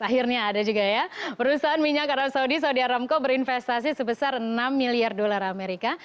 akhirnya ada juga ya perusahaan minyak arab saudi saudi aramco berinvestasi sebesar enam miliar dolar amerika